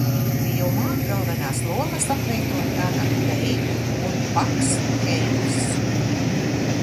Filmā galvenās lomas atveido Tana Vei un Paks Heils.